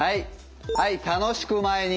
はい楽しく前に。